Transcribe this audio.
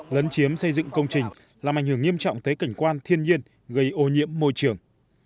lấn chiếm xây dựng công trình làm ảnh hưởng nghiêm trọng tới cảnh quan thiên nhiên gây ô nhiễm môi trường